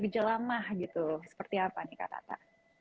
gejala mah gitu seperti apa nih kak tata